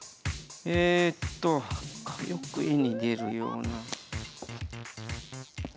えっとよく絵に出るような。